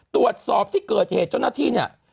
ตรวจสอบที่เกิดเหตุเจ้าหน้าที่เนี่ย